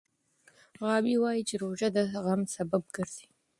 غابي وايي چې روژه د زغم سبب ګرځي.